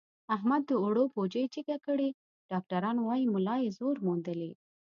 احمد د اوړو بوجۍ جګه کړې، ډاکټران وایي ملا یې زور موندلی.